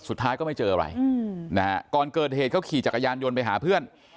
สุดท้ายก็ไม่เจออะไรนะฮะก่อนเกิดเหตุเขาขี่จักรยานยนต์ไปหาเพื่อน